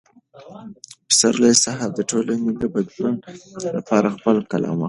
پسرلی صاحب د ټولنې د بدلون لپاره خپل قلم وکاراوه.